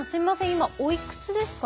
今おいくつですか？